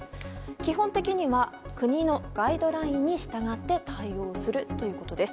基本的には国のガイドラインに従って対応するということです。